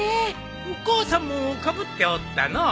お母さんもかぶっておったのう。